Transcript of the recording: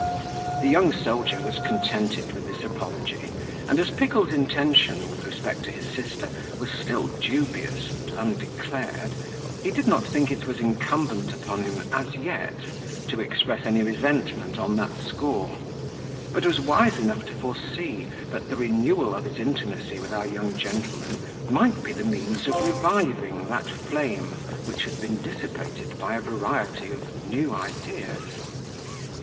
The young soldier was contented with this apology and, as Pickle's intention, with respect to his sister, was still dubious and undeclared, he did not think it was incumbent upon him, as yet, to express any resentment on that score; but was wise enough to foresee, that the renewal of his intimacy with our young gentleman might be the means of reviving that flame which had been dissipated by a variety of new ideas.